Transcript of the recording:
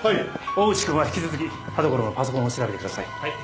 大内くんは引き続き田所のパソコンを調べてください。